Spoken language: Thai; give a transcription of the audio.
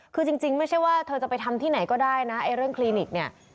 คือจริงไม่ใช่ว่าเธอจะไปทำที่ไหนก็ได้นะไอ้เรื่องคลินิกเนี่ย